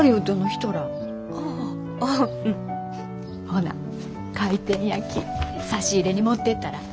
ほな回転焼き差し入れに持ってったら？